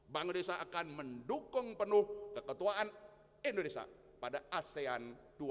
bank indonesia akan mendukung penuh keketuaan indonesia pada asean dua ribu dua puluh